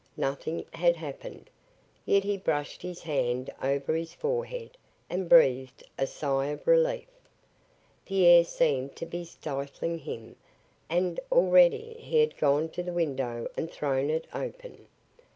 Nothing had happened. Yet he brushed his hand over his forehead and breathed a sigh of relief. The air seemed to be stifling him and already he had gone to the window and thrown it open.